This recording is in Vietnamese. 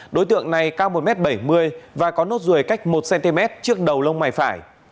đối tượng này cao một m bảy mươi và có nốt ruồi cách một cm trước đầu lông mày phải